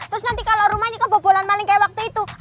terus nanti kalau rumahnya kebobolan maling kayak waktu itu